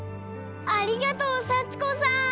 ありがとう幸子さん！